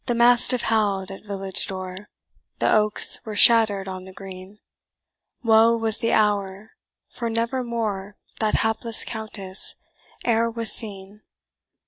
The mastiff howl'd at village door, The oaks were shatter'd on the green; Woe was the hour for never more That hapless Countess e'er was seen!